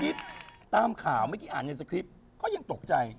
คลิปตามข่าวเมื่อกี้อ่านในสคริปต์ก็ยังตกใจ